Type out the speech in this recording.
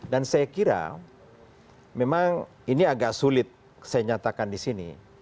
dan saya kira memang ini agak sulit saya nyatakan di sini